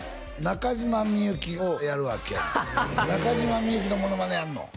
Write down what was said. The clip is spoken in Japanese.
中島みゆきをやるわけやねん中島みゆきのモノマネやんの？